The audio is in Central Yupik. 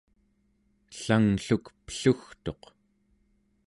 ellanglluk pellugtuq